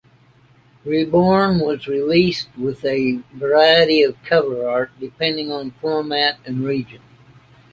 "Reborn" was released with a variety of cover art, depending on format and region.